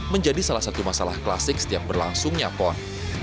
menjadi salah satu masalah klasik setiap berlangsungnya pon